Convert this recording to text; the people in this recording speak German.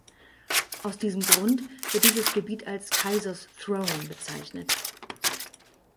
Aus diesem Grund wird dieses Gebiet als "Kaiser’s Throne" bezeichnet.